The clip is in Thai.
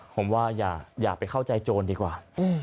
ผมว่าอย่าไปเข้าใจโจรดีกว่า